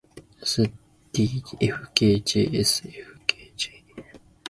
ｓｄｆｋｊｓｆｋｊ